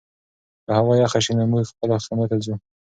که هوا یخه شي نو موږ خپلو خیمو ته ځو.